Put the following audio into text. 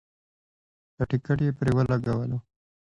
که ټکټ یې پرې ولګولو.